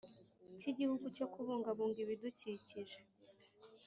cy Igihugu cyo kubungabunga ibidukikije